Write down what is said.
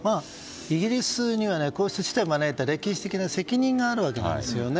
イギリスにはこうした事態を招いた歴史的な責任があるわけですよね。